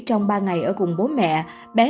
trong ba ngày ở cùng bố mẹ